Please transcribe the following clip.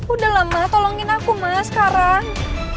udah lah ma tolongin aku ma sekarang